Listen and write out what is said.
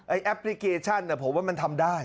แอปพลิเคชันผมว่ามันทำได้